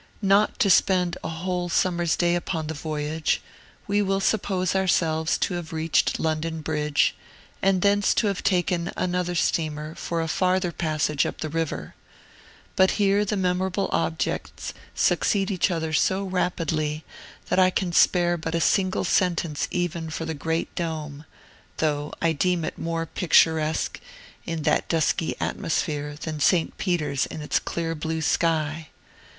Not to spend a whole summer's day upon the voyage, we will suppose ourselves to have reached London Bridge, and thence to have taken another steamer for a farther passage up the river. But here the memorable objects succeed each other so rapidly that I can spare but a single sentence even for the great Dome, through I deem it more picturesque, in that dusky atmosphere, than St. Peter's in its clear blue sky.